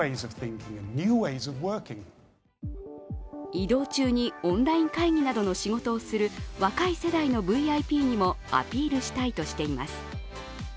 移動中にオンライン会議などの仕事をする若い世代のＶＩＰにもアピールしたいとしています。